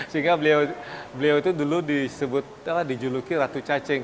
sehingga beliau itu dulu disebut telah dijuluki ratu cacing